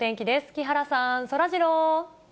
木原さん、そらジロー。